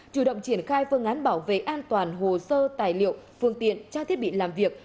chủ động triển khai phương án bảo vệ an toàn hồ sơ tài liệu phương tiện trang thiết bị làm việc